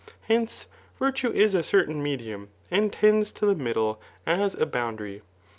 Hence, funujei isa certain medium, and tends to the middle as « Ipoitndary.